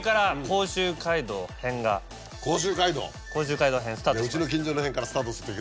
甲州街道編スタートします。